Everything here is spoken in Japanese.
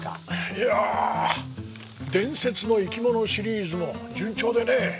いや「伝説の生き物」シリーズも順調でね